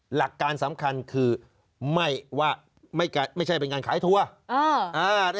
หลักการสำคัญคือไม่ว่าไม่ใช่เป็นการขายทัวร์